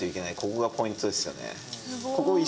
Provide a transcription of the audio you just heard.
ここがポイントですよね。